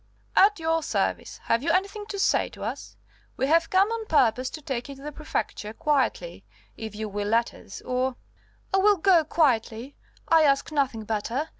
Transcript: "At your service. Have you anything to say to us? We have come on purpose to take you to the Prefecture quietly, if you will let us; or " "I will go quietly. I ask nothing better.